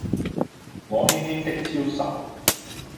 我輕輕的招手